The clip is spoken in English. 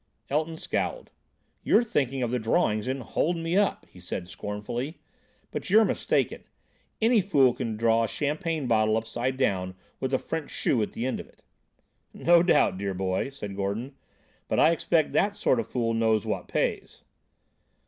Elton scowled. "You're thinking of the drawings in 'Hold Me Up,'" he said scornfully, "but you're mistaken. Any fool can draw a champagne bottle upside down with a French shoe at the end of it." "No doubt, dear boy," said Gordon, "but I expect that sort of fool knows what pays."